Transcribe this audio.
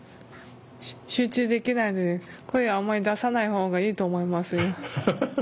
集中できないので声はあんまり出さないほうがいいと思います。